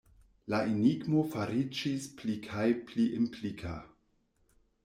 La enigmo fariĝis pli kaj pli implika.